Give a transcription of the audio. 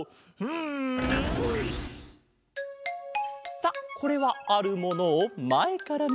さあこれはあるものをまえからみたかげだ。